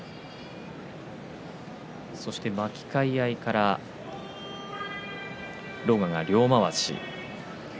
そして巻き替え合いから狼雅が両まわし。